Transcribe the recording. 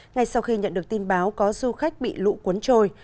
ngay sau khi nhận được tin báo có du khách bị lũ cuốn trôi